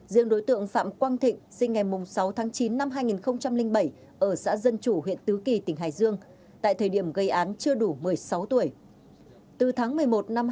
riêng đối tượng phạm quang thịnh sinh ngày sáu tháng chín năm hai nghìn bảy ở xã dân chủ huyện tứ kỳ tỉnh hải dương tại thời điểm gây án chưa đủ một mươi sáu tuổi